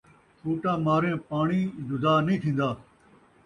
سوٹا ماریں پاݨی جدا نئیں تھین٘دا